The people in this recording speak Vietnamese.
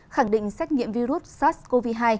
khẳng định xét nghiệm virus sars cov hai